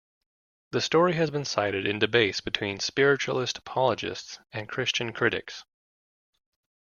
The story has been cited in debates between Spiritualist apologists and Christian critics.